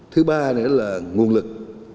thứ ba nữa là nguồn lực